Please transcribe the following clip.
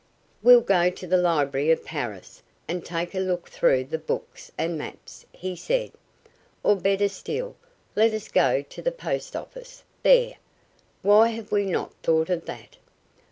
"We'll go to the library of Paris and take a look through the books and maps," he said. "Or, better still, let us go to the post office. There! Why have we not thought of that?